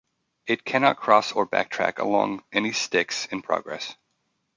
It cannot cross or backtrack along any Stix in progress.